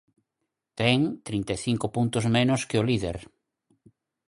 Ten trinta e cinco puntos menos que o líder.